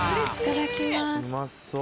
うまそう。